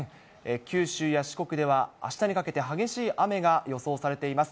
九州や四国では、あしたにかけて、激しい雨が予想されています。